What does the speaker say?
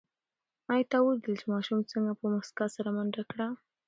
آیا تا ولیدل چې ماشوم څنګه په موسکا سره منډه کړه؟